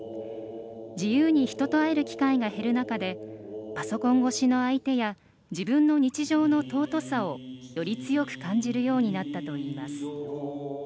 自由に人と会える機会が減る中でパソコン越しの相手や自分の日常の尊さを、より強く感じるようになったといいます。